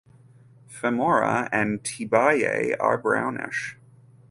Femora and tibiae are brownish.